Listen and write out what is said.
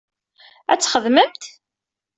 Ad txedmemt.